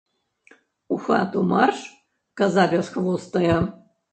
У хату марш, каза бясхвостая.